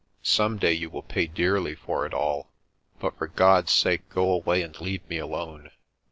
"Some day you will pay dearly for it all. But for God's sake go away and leave me alone."